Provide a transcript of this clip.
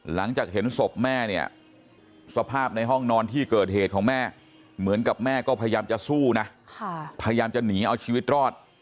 หลังจากเห็นศพแม่เนี่ยสภาพในห้องนอนที่เกิดเหตุของแม่เหมือนกับแม่ก็พยายามจะสู้นะพยายามจะหนีเอาชีวิตรอด